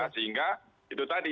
sehingga itu tadi